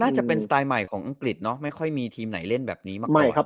น่าจะเป็นสไตล์ใหม่ของอังกฤษเนอะไม่ค่อยมีทีมไหนเล่นแบบนี้มาก